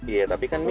iya tapi kan mi